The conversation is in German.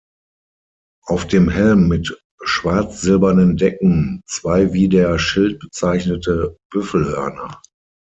Auf dem Helm mit schwarz-silbernen Decken zwei wie der Schild bezeichnete Büffelhörner.